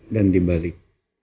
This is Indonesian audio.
dan di balik